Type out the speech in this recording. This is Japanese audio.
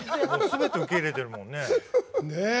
すべて受け入れてるもんね。